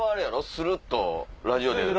スルっとラジオで。